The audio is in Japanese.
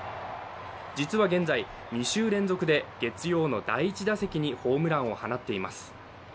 実は現在、２週連続で月曜の第１打席にホームランを放っています。